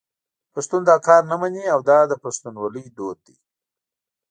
پښتون دا کار نه مني او دا د پښتونولي دود دی.